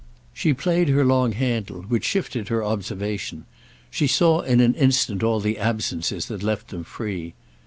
She played her long handle, which shifted her observation; she saw in an instant all the absences that left them free.